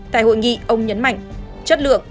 tại hội nghị ông nhấn mạnh chất lượng